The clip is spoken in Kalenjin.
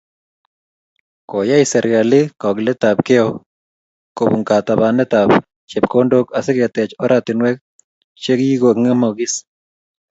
Koyai serikali kegiletabgeio kobunkatapanetab chepkondook asi keteech oratinweek chekikong'emokis